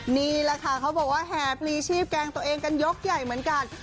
นี่แหละค่ะเขาบอกว่าแห่พลีชีพแกล้งตัวเองกันยกใหญ่เหมือนกัน